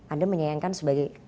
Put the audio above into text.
anda menyayangkan sebagai